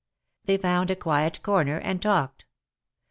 They found a quiet corner, and talked.